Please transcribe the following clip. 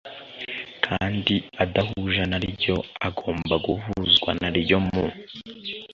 kandi adahuje naryo agomba guhuzwa naryo mu